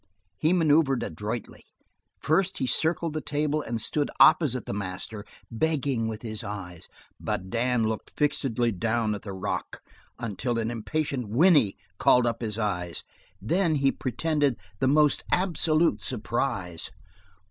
He maneuvered adroitly. First he circled the table and stood opposite the master, begging with his eyes, but Dan looked fixedly down at the rock until an impatient whinny called up his eyes. Then he pretended the most absolute surprise.